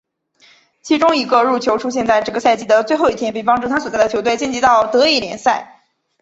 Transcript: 其中一个入球出现在这个赛季的最后一天并帮助他所在的球队晋级到德乙联赛。